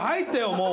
もう。